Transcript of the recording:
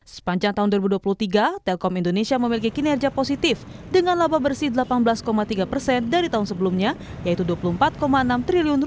sepanjang tahun dua ribu dua puluh tiga telkom indonesia memiliki kinerja positif dengan laba bersih rp delapan belas tiga persen dari tahun sebelumnya yaitu rp dua puluh empat enam triliun